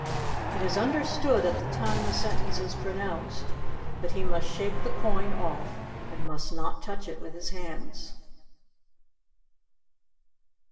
It is understood at the time the sentence is pronounced that he must shake the coin off and must not touch it with his hands.